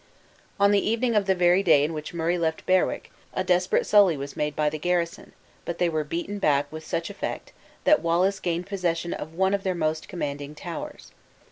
On the evening of the very day in which Murray left Berwick, a desperate sully was made by the garrison; but they were beaten back with such effect, that Wallace gained possession of one of their most commanding towers.